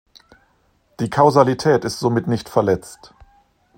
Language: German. Die Kausalität ist somit nicht verletzt.